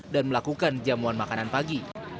dan melakukan jamuan makanan pagi